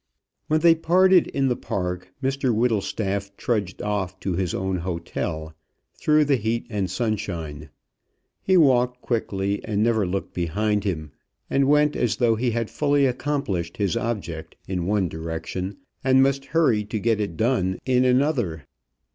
When they parted in the park, Mr Whittlestaff trudged off to his own hotel, through the heat and sunshine. He walked quickly, and never looked behind him, and went as though he had fully accomplished his object in one direction, and must hurry to get it done in another.